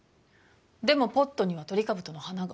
でもポットにはトリカブトの花が。